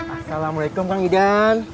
assalamualaikum kang idan